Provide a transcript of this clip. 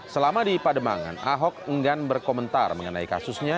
selama di pademangan ahok enggan berkomentar mengenai kasusnya